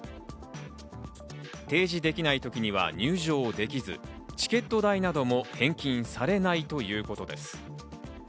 提示できない時には入場できず、チケット代なども返金されないということです。